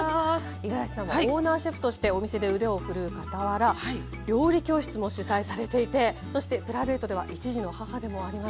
五十嵐さんはオーナーシェフとしてお店で腕を振るうかたわら料理教室も主宰されていてそしてプライベートでは１児の母でもあります。